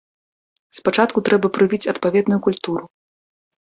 Спачатку трэба прывіць адпаведную культуру.